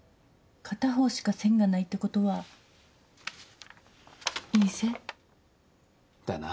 片方しか線がないってことは陰性？だな。